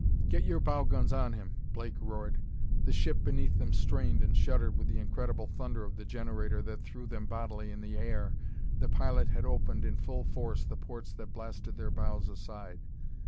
"Get your bow guns on him!" Blake roared. The ship beneath them strained and shuddered with the incredible thunder of the generator that threw them bodily in the air. The pilot had opened in full force the ports that blasted their bows aside.